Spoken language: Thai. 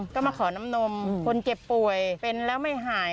ก็มาขอน้ำนมคนเจ็บป่วยเป็นแล้วไม่หาย